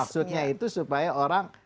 maksudnya itu supaya orang